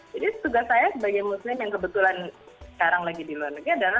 jadi tugas saya sebagai muslim yang kebetulan sekarang lagi di luar negara